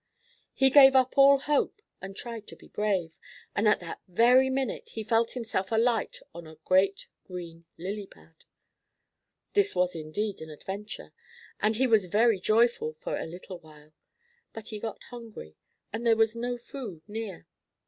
He gave up all hope and tried to be brave, and at that very minute he felt himself alight on a great green lily pad. This was indeed an adventure, and he was very joyful for a little while. But he got hungry, and there was no food near.